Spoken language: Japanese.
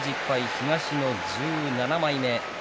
東の１７枚目。